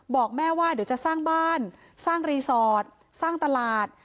บอกแม่ว่าเดี๋ยวจะสร้างบ้านสร้างรีสอร์ทสร้างตลาด